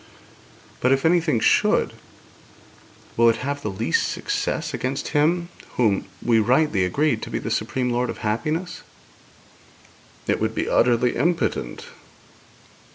'But if anything should, will it have the least success against Him whom we rightly agreed to be supreme Lord of happiness?' 'It would be utterly impotent.'